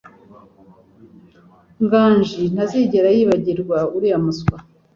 Nganji ntazigera yibagirwa uriya muswa.